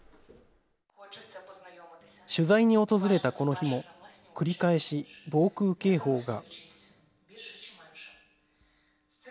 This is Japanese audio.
取材に訪れたこの日も繰り返し防空警報が。